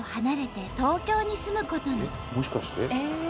もしかして。